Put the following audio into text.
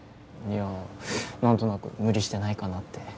いや何となく無理してないかなって。